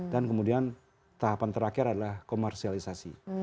dan kemudian tahapan terakhir adalah komersialisasi